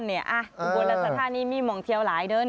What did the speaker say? บริโภคลักษณ์ศาสตร์นี้มีมองเที่ยวหลาย